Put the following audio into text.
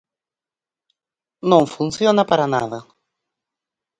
Non funciona para nada.